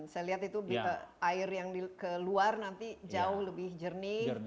saya lihat itu air yang keluar nanti jauh lebih jernih